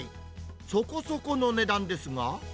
そこそこの値段ですが。